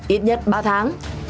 ít nhất ba tháng